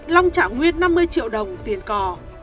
long trả nguyên năm mươi triệu đồng tiền cò